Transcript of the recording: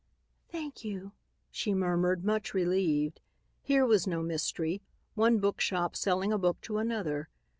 "Thank you," she murmured, much relieved. Here was no mystery; one bookshop selling a book to another.